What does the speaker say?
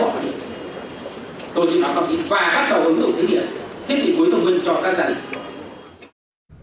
tôi chỉ đọc thông tin và bắt đầu ứng dụng cái điện thiết bị cuối thông tin cho các gia đình